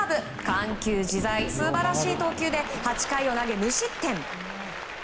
緩急自在、素晴らしい投球で８回を投げ無失点。